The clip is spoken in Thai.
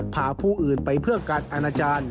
พาผู้อื่นไปเพื่อการอนาจารย์